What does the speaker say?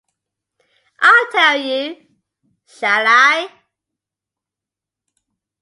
I'll tell you, shall I?